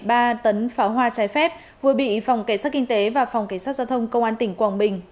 ba tấn pháo hoa trái phép vừa bị phòng cảnh sát kinh tế và phòng cảnh sát giao thông công an tỉnh quảng bình